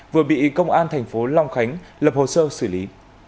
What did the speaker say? vừa bị công an thành phố long khánh lập hồ sơ xử lý